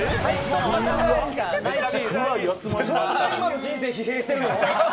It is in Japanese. そんな今の人生、疲弊してるの？